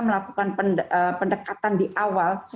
melakukan pendekatan di awal